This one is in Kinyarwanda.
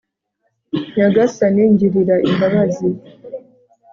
nyagasani, ngirira imbabazi